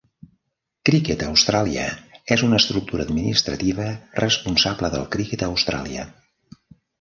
Cricket Australia és una estructura administrativa responsable del criquet a Austràlia.